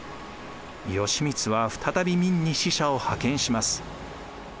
義満は再び明に使者を派遣します。